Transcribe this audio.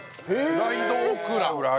フライドオクラ？